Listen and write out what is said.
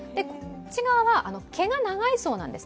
内側は毛が長いそうなんです。